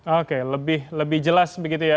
oke lebih jelas begitu ya